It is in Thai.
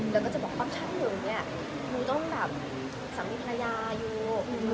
แล้วก็จะบอกว่าอันสารหนึ่งเนี่ยคุยต้องซอกมิพายาอยู่